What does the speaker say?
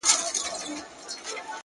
• چي له بازه به ورک لوری د یرغل سو ,